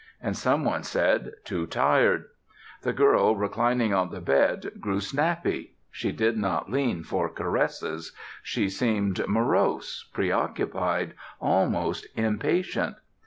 And some one said: "Too tired!" The girl reclining on the bed grew snappy. She did not lean for caresses. She seemed morose, preoccupied, almost impatient.